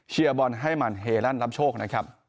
เชียร์บอลให้หมั่นเฮลั่นรับโชคนะครับ